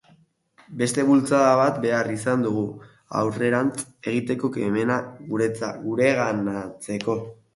Beste bultzada bat behar izan dugu, aurrerantz egiteko kemena gureganatzeko.